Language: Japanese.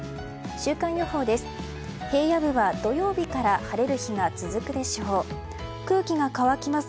週間予報です。